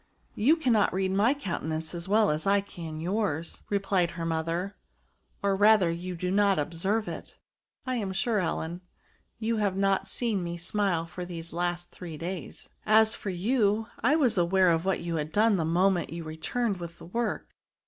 " You cannot read my coun tenance as well as I can yours," replied her T 2 SOS DEMONSTRATIVE PRONOUNS. mother ;" or rather you do not observe it ; I am sure^ Ellen, you have not seen me smile these last three days; as for you^ I was aware of what you had done the mo ment you returned with the work.